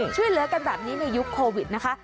ช่วยเหลือกันแบบนี้ในยุคโควิดนะคะ